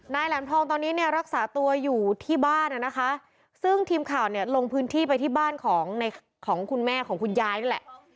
แหลมทองตอนนี้เนี่ยรักษาตัวอยู่ที่บ้านนะคะซึ่งทีมข่าวเนี่ยลงพื้นที่ไปที่บ้านของในของคุณแม่ของคุณยายนี่แหละ